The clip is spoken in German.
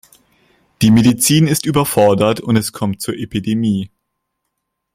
Die Medizin ist überfordert und es kommt zur Epidemie.